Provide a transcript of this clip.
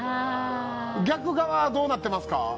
逆側はどうなってますか？